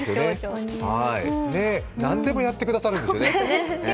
なんでもやってくださるんですよね。